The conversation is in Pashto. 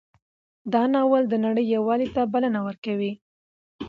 دا ناول د نړۍ یووالي ته بلنه ورکوي.